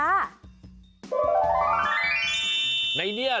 ในเดชน์เหรอ